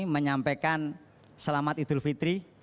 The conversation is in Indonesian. menyampaikan selamat idul fitri